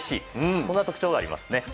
そんな特徴があります。